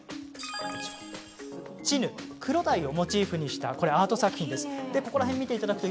チヌ、黒鯛をモチーフにしたアート作品です。